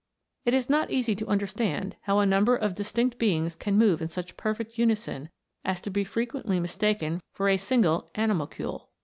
It is not easy to understand how a number of distinct beings can move in such per fect unison as to be frequently mistaken for a single animalcule.